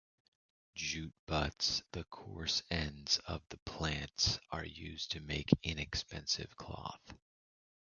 Jute butts, the coarse ends of the plants, are used to make inexpensive cloth.